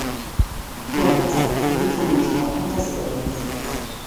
Duncas, su vitimismu, a ite serbit?